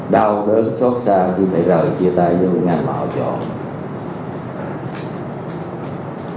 đau đớn xót xa thì phải rời chia tay với ngành mà họ chọn